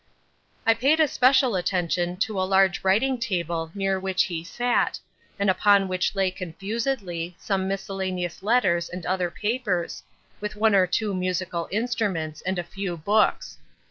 "I paid especial attention to a large writing table near which he sat, and upon which lay confusedly, some miscellaneous letters and other papers, with one or two musical instruments and a few books.